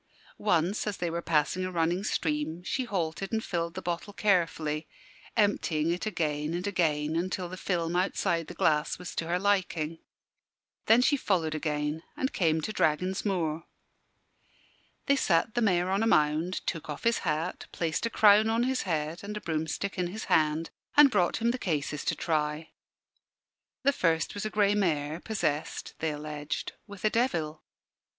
Once, as they were passing a running stream, she halted and filled the bottle carefully, emptying it again and again until the film outside the glass was to her liking. Then she followed again, and came to Dragon's Moor. They sat the Mayor on a mound, took off his hat, placed a crown on his head and a broomstick in his hand, and brought him the cases to try. The first was a grey mare, possessed (they alleged) with a devil.